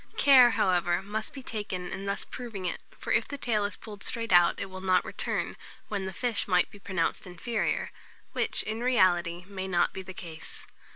Care, however, must be taken in thus proving it; for if the tail is pulled straight out, it will not return; when the fish might be pronounced inferior, which, in reality, may not be the case.